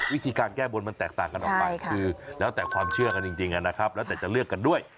วิธีการแก้บนมันแตกต่างกันออกมาคือแล้วแต่ความเชื่อของการแก้บนแต่เกี่ยวกันด้วย